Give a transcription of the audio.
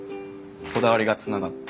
こだわりがつながって。